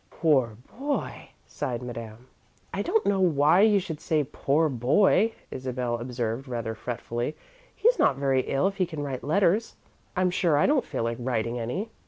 "Poor boy!" sighed Madame. "I don't know why you should say 'poor boy,'" Isabel observed, rather fretfully. "He's not very ill if he can write letters. I'm sure I don't feel like writing any."